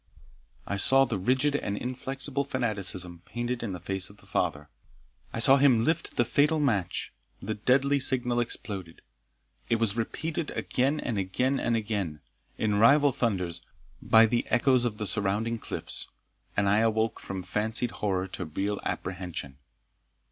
I saw the rigid and inflexible fanaticism painted in the face of the father I saw him lift the fatal match the deadly signal exploded It was repeated again and again and again, in rival thunders, by the echoes of the surrounding cliffs, and I awoke from fancied horror to real apprehension.